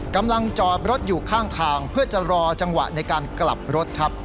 กำลังจอดรถอยู่ข้างทางเพื่อจะรอจังหวะในการกลับรถครับ